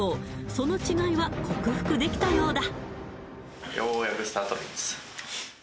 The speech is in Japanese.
その違いは克服できたようだ